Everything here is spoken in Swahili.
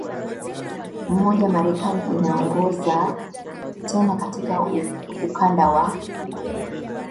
i mmoja marekani inaongoza tena katika ukanda wa